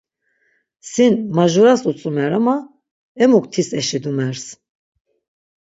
Sin majuras utzumer ama emuk tis eşidumers.